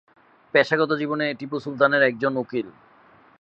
পেশাগত জীবনে টিপু সুলতান একজন উকিল।